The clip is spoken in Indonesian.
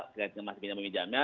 kaitkan mas pinjam meminjamnya